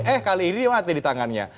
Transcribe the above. eh kali ini mati di tangannya